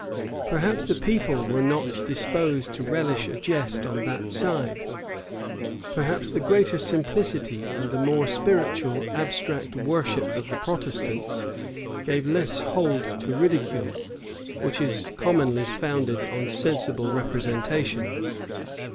Perhaps the people were not disposed to relish a jest on that side: perhaps the greater simplicity and the more spiritual abstract worship of the Protestants gave less hold to ridicule, which is commonly founded on sensible representations.